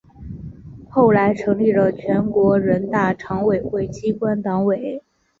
后来成立了全国人大常委会机关党委。